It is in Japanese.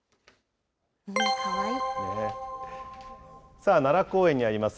さあ、奈良公園にあります